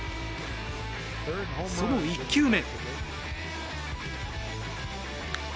その１球目。